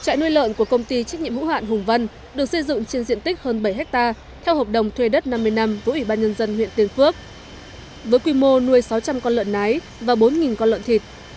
trại nuôi lợn của công ty trách nhiệm hữu hạn hùng vân được xây dựng trên diện tích hơn bảy hectare theo hợp đồng thuê đất năm mươi năm của ủy ban nhân dân huyện tiên phước với quy mô nuôi sáu trăm linh con lợn nái và bốn con lợn thịt